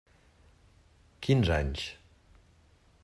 Quinze anys.